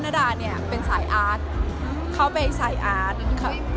นาดาเนี่ยเป็นสายอาร์ตเขาไปสายอาร์ตเขา